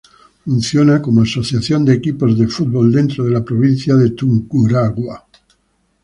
Funciona como asociación de equipos de fútbol dentro de la Provincia de Tungurahua.